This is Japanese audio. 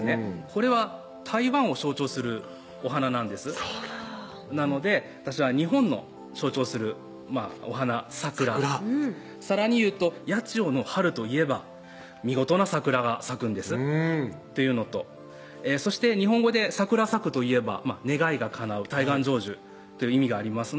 これは台湾を象徴するお花なんですなので私は日本の象徴するお花・桜さらに言うと八千代の春といえば見事な桜が咲くんですっていうのとそして日本語で桜咲くといえば願いがかなう大願成就という意味があります